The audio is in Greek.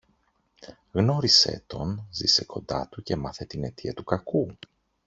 γνώρισε τον, ζήσε κοντά του και μάθε την αιτία του κακού.